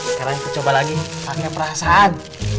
sekarang aku coba lagi pake perasaan